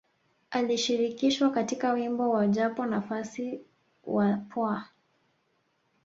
Alishirikishwa katika wimbo wa Japo Nafasi wa Cpwaa